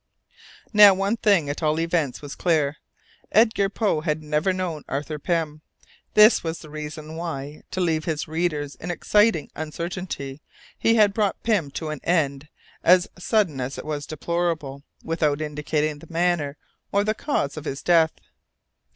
Now, one thing at all events was clear. Edgar Poe had never known Arthur Pym. This was the reason why, wishing to leave his readers in exciting uncertainty, he had brought Pym to an end "as sudden as it was deplorable," but without indicating the manner or the cause of his death.